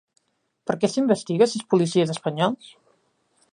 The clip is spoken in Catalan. Per què s'investiga a sis policies espanyols?